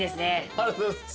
ありがとうございます。